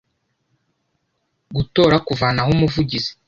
gutora kuvanaho umuvugizi